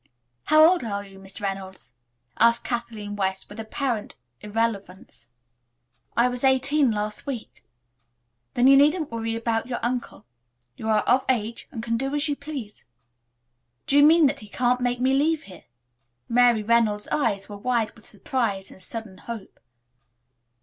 "How old are you, Miss Reynolds?" asked Kathleen West with apparent irrelevance. "I was eighteen last week." "Then you needn't worry about your uncle. You are of age and can do as you please." "Do you mean that he can't make me leave here?" Mary Reynolds' eyes were wide with surprise and sudden hope.